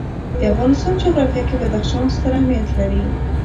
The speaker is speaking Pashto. د افغانستان جغرافیه کې بدخشان ستر اهمیت لري.